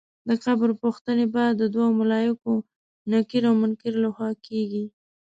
د قبر پوښتنې به د دوو ملایکو نکیر او منکر له خوا کېږي.